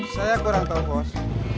saya kurang tahu bos